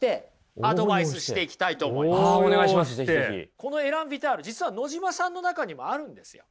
このエラン・ヴィタール実は野島さんの中にもあるんですよ。